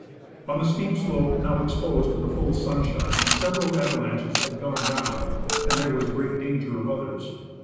On the steep slope now exposed to the full sunshine several avalanches had gone down, and there was great danger of others.